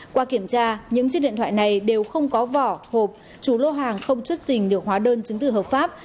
qua kiểm tra những chiếc điện thoại này đều không có vỏ hộp chú lô hàng không chút xình được hóa đơn chứng từ hợp pháp